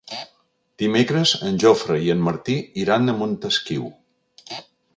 Dimecres en Jofre i en Martí iran a Montesquiu.